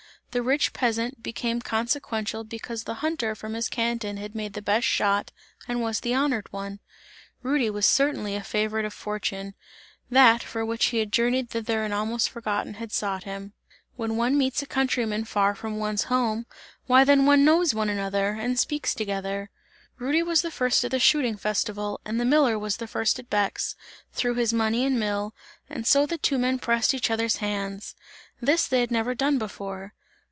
The rich peasant became consequential because the hunter from his canton had made the best shot and was the honoured one. Rudy was certainly a favourite of fortune, that, for which he had journeyed thither and almost forgotten had sought him. When one meets a countryman far from one's home, why then one knows one another, and speaks together. Rudy was the first at the shooting festival and the miller was the first at Bex, through his money and mill, and so the two men pressed each other's hands: this they had never done before.